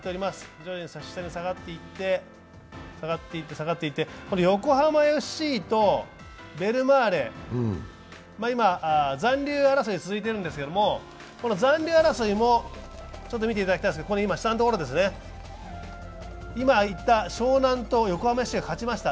徐々に下がっていって、横浜ＦＣとベルマーレ、今、残留争いが続いてるんですけどこの残留争いも、見ていただきたいんですけれども下のところです、湘南と横浜ＦＣが勝ちました。